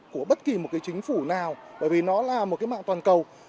của bất kỳ một cái chính phủ nào bởi vì nó là một cái mạng toàn cầu